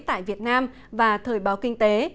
tại việt nam và thời báo kinh tế